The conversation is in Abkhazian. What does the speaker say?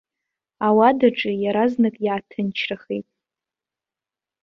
Ауадаҿы иаразнак иааҭынчрахеит.